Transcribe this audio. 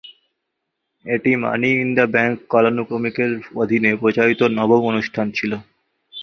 এটি money in the bank কালানুক্রমিকের অধীনে প্রচারিত নবম অনুষ্ঠান ছিল।